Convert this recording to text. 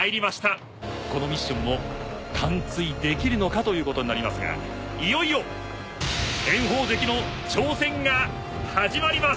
このミッションも完遂できるのかということになりますがいよいよ炎鵬関の挑戦が始まります。